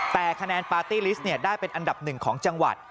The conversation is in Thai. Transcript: แต่คะแนนปาร์ตี้ลิสต์ได้เป็นอันดับหนึ่งของจังหวัด